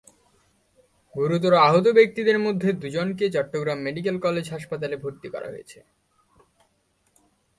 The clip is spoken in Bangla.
গুরুতর আহত ব্যক্তিদের মধ্যে দুজনকে চট্টগ্রাম মেডিকেল কলেজ হাসপাতালে ভর্তি করা হয়েছে।